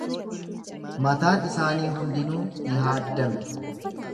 Mataan isaanii hundinuu ni haaddame.